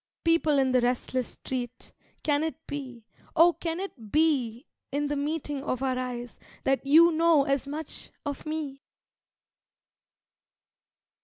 People in the restless street, Can it be, oh can it be In the meeting of our eyes That you know as much of me?